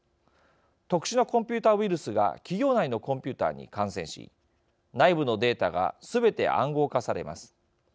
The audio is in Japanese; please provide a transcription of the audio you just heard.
特殊なコンピューターウイルスが企業内のコンピューターに感染し内部のデータがすべて暗号化されます。